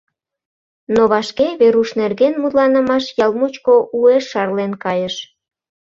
Но вашке Веруш нерген мутланымаш ял мучко уэш шарлен кайыш.